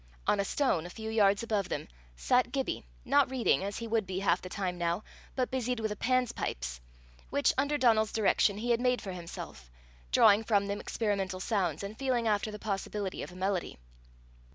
On a stone, a few yards above them, sat Gibbie, not reading, as he would be half the time now, but busied with a Pan's pipes which, under Donal's direction, he had made for himself drawing from them experimental sounds, and feeling after the possibility of a melody.